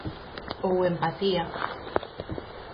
Ou empatía.